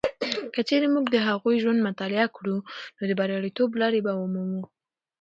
که چیرې موږ د هغوی ژوند مطالعه کړو، نو د بریالیتوب لارې به ومومو.